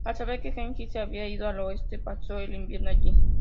Al saber que Gengis se había ido al oeste, pasó el invierno allí.